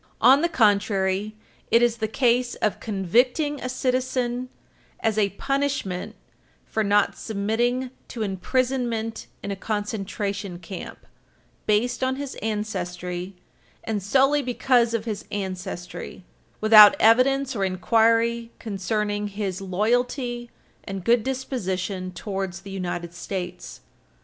On the contrary, it is the case of convicting a citizen as a punishment for not submitting to imprisonment in a concentration camp, based on his ancestry, and solely because of his ancestry, without evidence or inquiry concerning his loyalty and good disposition towards the United States.